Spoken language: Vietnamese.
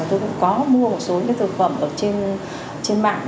tôi cũng có mua một số những thực phẩm trên mạng